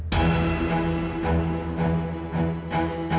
selamat ya kak